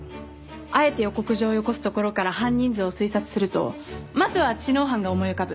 あえて予告状をよこすところから犯人像を推察するとまずは知能犯が思い浮かぶ。